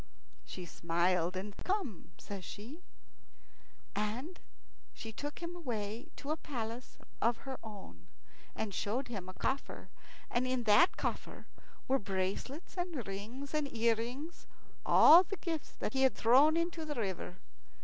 She smiled, and "Come!" says she, and took him away to a palace of her own, and showed him a coffer; and in that coffer were bracelets and rings and earrings all the gifts that he had thrown into the river.